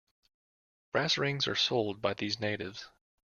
Brass rings are sold by these natives.